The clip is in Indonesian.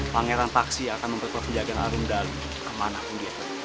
pangeran paksi akan memberikan perjagaan arung dalu kemana pun dia akan menuju